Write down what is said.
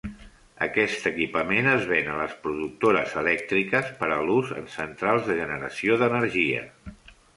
Aquest equipament es ven a les productores elèctriques per a l'ús en centrals de generació d'energia.